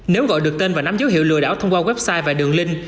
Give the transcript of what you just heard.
nếu gọi được tên và nắm dấu hiệu lừa đảo thông qua website và đường link